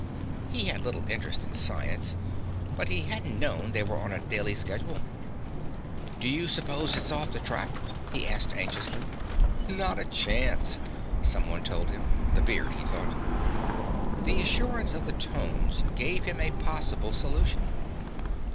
He had little interest in science, but he hadn't known they were on a daily schedule. "Do you suppose it's off the track?" he asked anxiously. "Not a chance," someone told him the beard, he thought. The assurance of the tones gave him a possible solution.